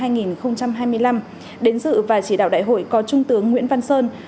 nhiệm kỳ hai nghìn hai mươi hai nghìn hai mươi năm đến dự và chỉ đạo đại hội có trung tướng nguyễn văn sơn